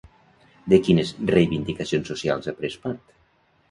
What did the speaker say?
De quines reivindicacions socials ha pres part?